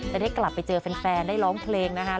ได้กลับไปเจอแฟนได้ร้องเพลงนะคะ